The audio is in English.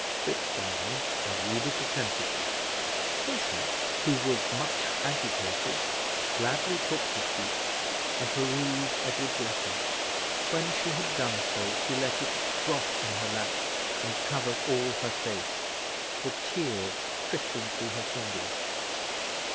Sit down and read it attentively." Patience, who was much agitated, gladly took the seat and perused Edward's letter. When she had done so, she let it drop in her lap and covered all her face, the tears trickling through her fingers.